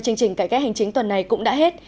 chương trình cải cách hành chính tuần này cũng đã hết